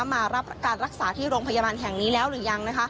มารับการรักษาที่โรงพยาบาลแห่งนี้แล้วหรือยัง